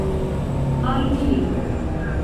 armilo